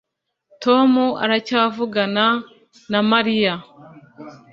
Tom aracyavugana na Mariya